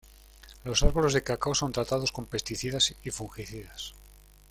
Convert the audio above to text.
Los árboles de cacao son tratados con pesticidas y fungicidas.